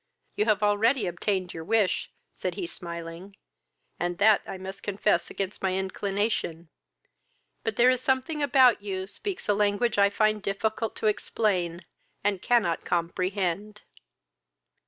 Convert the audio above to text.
"You have already obtained your wish, (said he, smiling,) and that I must confess against my inclination; but there is something about you speaks a language I find difficult to explain, and cannot comprehend."